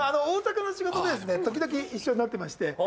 大阪の仕事で時々一緒になってまして。